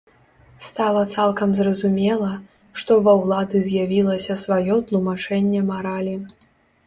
Стала цалкам зразумела, што ва ўлады з'явілася сваё тлумачэнне маралі.